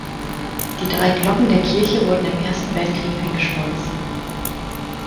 Die drei Glocken der Kirche wurden im Ersten Weltkrieg eingeschmolzen.